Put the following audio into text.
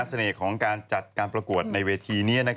ของการจัดการประกวดในเวทีนี้